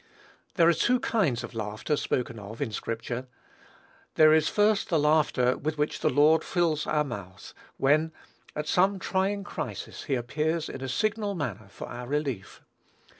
There are two kinds of laughter spoken of in scripture. There is first the laughter with which the Lord fills our mouth, when, at some trying crisis, he appears in a signal manner for our relief.